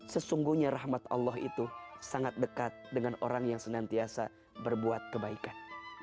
sesungguhnya rahmat allah itu sangat dekat dengan orang yang senantiasa berbuat kebaikan